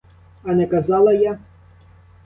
А не казала я?